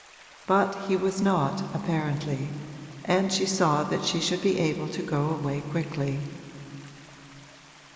But he was not, apparently, and she saw that she should be able to go away quickly.